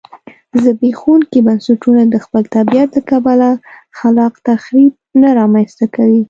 زبېښونکي بنسټونه د خپل طبیعت له کبله خلاق تخریب نه رامنځته کوي